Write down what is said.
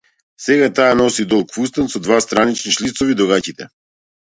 Сега таа носи долг фустан со два странични шлицови до гаќите.